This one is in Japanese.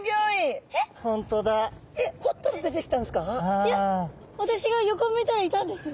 いや私が横向いたらいたんですよ。